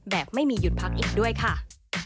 แบบไม่มีหยุดพักอีกด้วยค่ะ